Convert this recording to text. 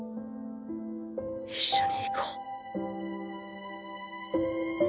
一緒に逝こう。